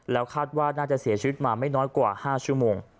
แล้วคาดว่าน่าจะเสียชีวิตมาไม่น้อยกว่า๕ชั่วโมง